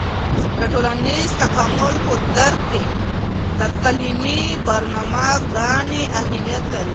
د ټولنیز تکامل په درک کې د تعلیمي برنامه ګانې اهیمت لري.